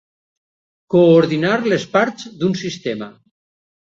Coordinar les parts d'un sistema.